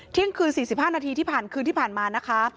เที่ยงคืน๔๕นาทีที่ผ่านคืนที่ผ่านมานะคะ